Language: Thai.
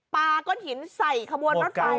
ก้นหินใส่ขบวนรถไฟ